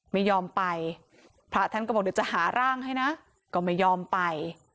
ไม่ยอมไปพระท่านก็บอกเดี๋ยวจะหาร่างให้นะก็ไม่ยอมไป